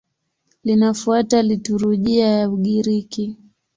Linafuata liturujia ya Ugiriki.